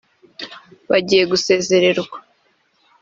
bagiye gusezererwa